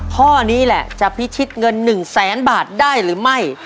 ข้อนี้แหละจะพิชิตเงิน๑แสนบาทได้หรือไม่